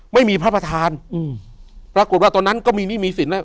ไม่มีพระประธานอืมปรากฏว่าตอนนั้นก็มีหนี้มีสินนะ